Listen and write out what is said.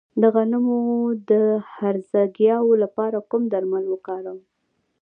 د غنمو د هرزه ګیاوو لپاره کوم درمل وکاروم؟